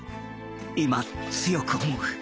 今強く思う。